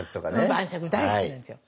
晩酌大好きなんですよ。